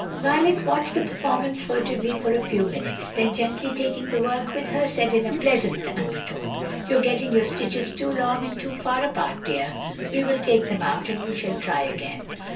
Violet watched the performance furtively for a few minutes, then gently taking the work from her, said in a pleasant undertone, "You are getting your stitches too long and too far apart, dear. We will take them out, and you shall try again."